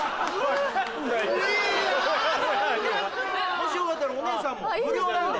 もしよかったらお姉さんも無料なんで。